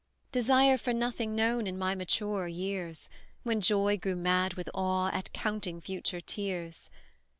"Desire for nothing known in my maturer years, When Joy grew mad with awe, at counting future tears.